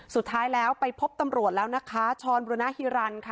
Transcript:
สุดท้ายแล้วไปพบตำรวจแล้วนะคะชรบุรณฮิรันค่ะ